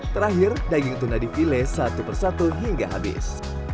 terakhir daging tuna di file satu persatu hingga habis